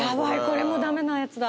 これも駄目なやつだ。